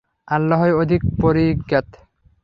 আল্লাহই অধিক পরিজ্ঞাত।